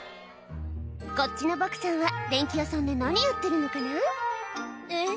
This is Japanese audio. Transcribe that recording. こっちのボクちゃんは電器屋さんで何やってるのかなえっ？